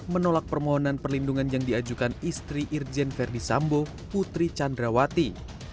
menolak permohonan perlindungan yang diajukan istri irjen verdi sambo putri candrawati